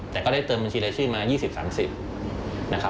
แต่ก็ได้เติมบัญชีไร้ชื่อมา๒๐๓๐